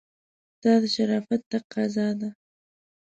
دا د شرافت تقاضا ده.